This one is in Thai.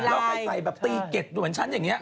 แล้วใครใส่แบบตีเก็ตด่วนฉันอย่างนี้